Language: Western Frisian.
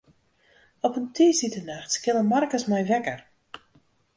Op in tiisdeitenacht skille Markus my wekker.